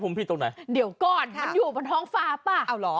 มันอยู่บนท้องฟ้าป่ะ